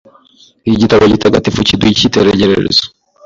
Iki gitabo gitagatifu kiduha icyitegererezo